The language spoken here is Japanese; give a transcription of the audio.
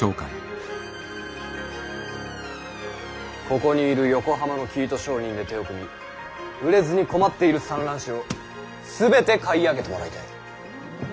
ここにいる横浜の生糸商人で手を組み売れずに困っている蚕卵紙を全て買い上げてもらいたい。